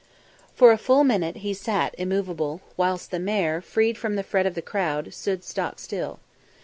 For a full minute he sat immovable, whilst the mare, freed from the fret of the crowd, stood stock still.